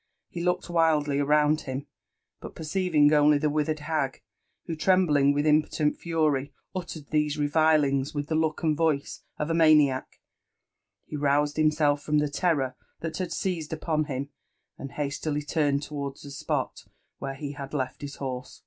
He looked wildly round him ; but perceiving only the withered hag who, trembling with impotent fury, uttered these revilings with the look and voice of a maniac, he roused Himself from the terror that had seized upon him, and hastily turned towards the spot where he had left his horse.